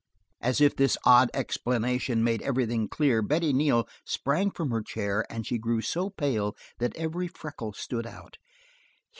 As if this odd explanation made everything clear, Betty Neal sprang from her chair and she grew so pale that every freckle stood out.